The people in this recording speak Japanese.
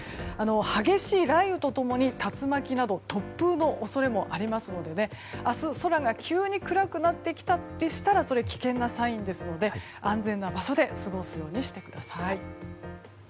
激しい雷雨と共に、竜巻など突風の恐れもありますので明日、空が急に暗くなってきたりしたらそれは危険なサインですので安心な場所で過ごすようにしてください。